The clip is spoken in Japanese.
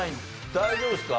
大丈夫ですか？